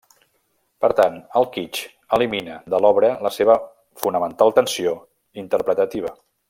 Per tant el Kitsch elimina de l'obra la seva fonamental tensió interpretativa.